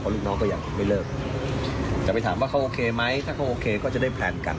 ลูกน้องก็ยังไม่เลิกจะไปถามว่าเขาโอเคไหมถ้าเขาโอเคก็จะได้แพลนกัน